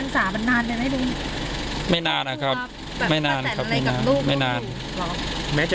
๑๐๐๐สามันนานกันแล้วเลย